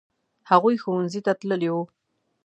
هغوی ښوونځي ته تللي وو.